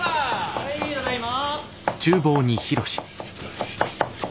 はいただいま！